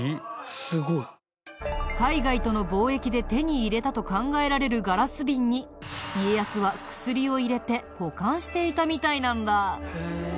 すごい。海外との貿易で手に入れたと考えられるガラス瓶に家康は薬を入れて保管していたみたいなんだ。